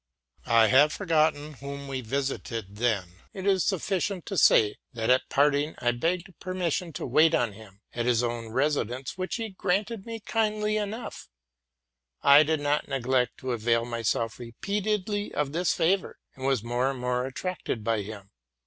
I have forgotten whom we visited then: it is sufficient to say, that at parting I begged permission to wait on him at his own residence, which he granted me kindly 14 TRUTH AND FICTION enough. J did not neglect to avail myself repeatedly of this favor, and was more and more attracted by him.